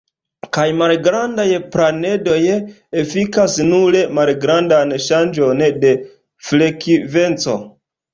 Kaj malgrandaj planedoj efikas nur malgrandan ŝanĝon de frekvenco.